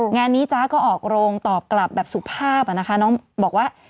งานนี้จ๊ะก็ออกโรงตอบกลับแบบสุภาพนะคะน้องบอกว่า